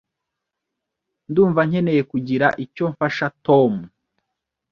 Ndumva nkeneye kugira icyo mfasha Tom.